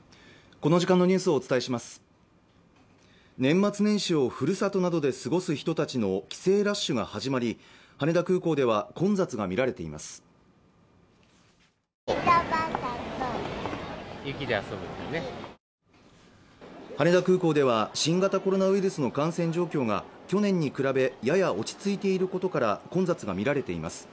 この時間のニュースをお伝えします年末年始をふるさとなどで過ごす人たちの帰省ラッシュが始まり羽田空港では混雑が見られています羽田空港では新型コロナウイルスの感染状況が去年に比べやや落ち着いていることから混雑が見られています